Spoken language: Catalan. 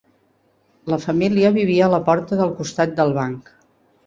La família vivia a la porta del costat del banc.